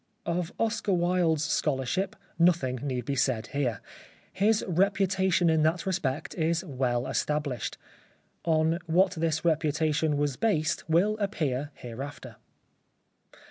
Of Oscar Wilde's scholarship nothing need be said here. His reputation in that respect is well established. On what this reputation was based will appear hereafter.